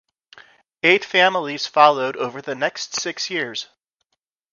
Eight families followed over the next six years.